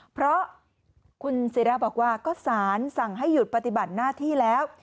เพราะคุณศิราบอกว่าก็สารสั่งให้หยุดปฏิบัติหน้าที่แล้ว